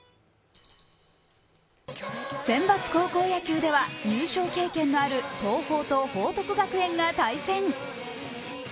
選抜高校野球では優勝経験のある東邦と報徳学園が対戦。